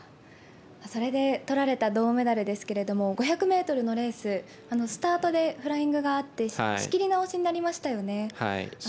それで取られた銅メダルですが５００ｍのレーススタートでフライングがあって仕切り直しになりましたよね。